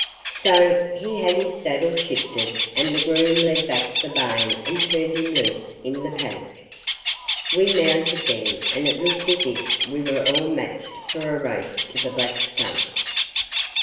So he had his saddle shifted, and the groom led back the bay and turned him loose in the paddock. We mounted then, and it looked as if we were all matched for a race to the Black Stump.